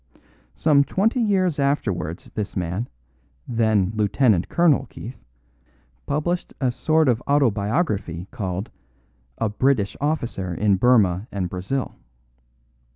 Some twenty years afterwards this man, then Lieutenant Colonel Keith, published a sort of autobiography called 'A British Officer in Burmah and Brazil.